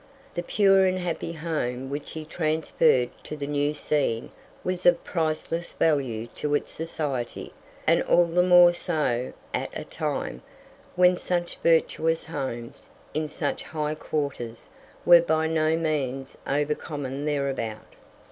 The pure and happy home which he transferred to the new scene was of priceless value to its society, and all the more so at a time when such virtuous homes, in such high quarters, were by no means over common thereabout.